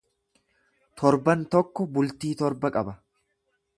Torban tokko bultii torba qaba